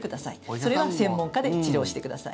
それは専門家で治療してください。